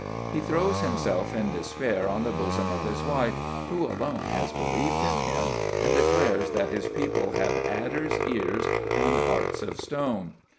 He throws himself in despair on the bosom of his wife, who alone has believed in him, and declares that his people have adders' ears and hearts of stone.